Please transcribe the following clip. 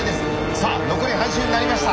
さあ残り半周になりました。